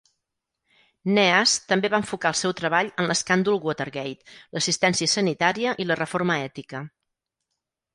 Neas també va enfocar el seu treball en l'escàndol Watergate, l'assistència sanitària i la reforma ètica.